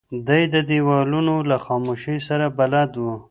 دی د دیوالونو له خاموشۍ سره بلد و.